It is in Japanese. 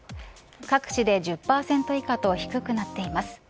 各地で１０％以下と低くなっています。